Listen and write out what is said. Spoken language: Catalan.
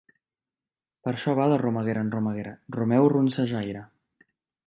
Per això va de romeguera en romeguera, romeu ronsejaire.